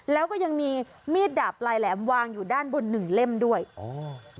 แล้วก็ยังมีมีดดาบลายแหลมวางอยู่ด้านบนหนึ่งเล่มด้วยอ๋อ